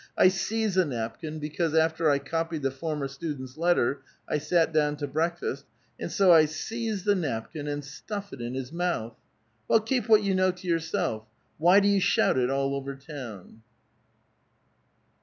I seize a napkin, because after I cop ied the former student's letter, I sat down to breakfast, and BO I seize the napkin, and stuff it in his mouth, '^ Well, keep what you know to yourself; why do you shout it all over town?"